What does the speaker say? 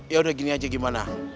ya udah gini aja gimana